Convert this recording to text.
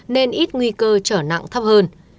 nên ít nguy cơ trở nặng thấp hơn